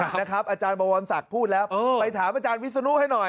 อาจารย์บวรศักดิ์พูดแล้วไปถามอาจารย์วิศนุให้หน่อย